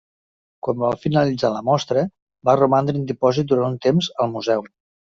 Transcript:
Quan va finalitzar la mostra, va romandre en dipòsit durant un temps al museu.